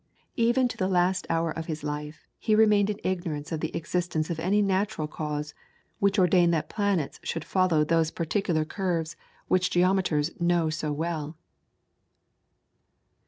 Even to the last hour of his life he remained in ignorance of the existence of any natural cause which ordained that planets should follow those particular curves which geometers know so well.